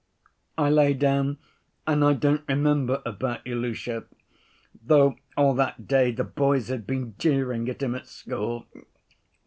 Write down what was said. I lay down and I don't remember about Ilusha, though all that day the boys had been jeering at him at school.